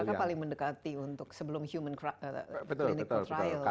ya makaka paling mendekati untuk sebelum human clinical trial kan